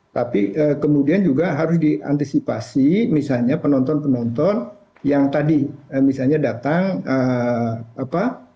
tapi kemudian juga harus diantisipasi misalnya penonton penonton yang tadi misalnya datang apa